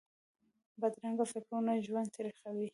بدرنګه فکرونه ژوند تریخوي